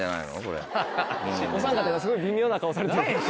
おさん方がすごい微妙な顔されてる。